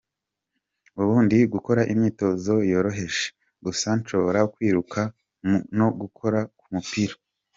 Ubu ndi gukora imyitozo yoroheje gusa nshobora kwiruka no gukora ku mupira.